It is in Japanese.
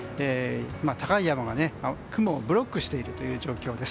高い山が雲をブロックしている状況です。